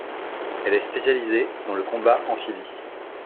Elle est spécialisée dans le combat amphibie.